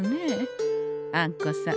あんこさん